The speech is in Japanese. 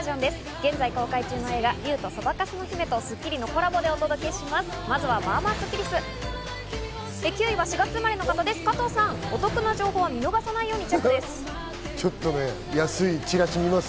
現在公開中の映画『竜とそばかすの姫』と『スッキリ』のコラボでお届けします。